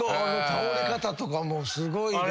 倒れ方とかもすごいです。